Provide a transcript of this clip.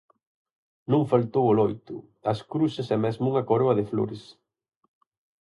Non faltou o loito, as cruces e mesmo unha coroa de flores.